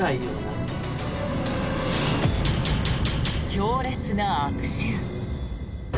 強烈な悪臭。